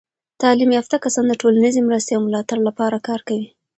تعلیم یافته کسان د ټولنیزې مرستې او ملاتړ لپاره کار کوي.